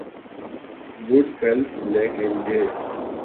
would cliff Lake اینجے